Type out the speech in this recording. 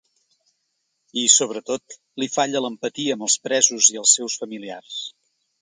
I, sobretot, li falla l’empatia amb els presos i els seus familiars.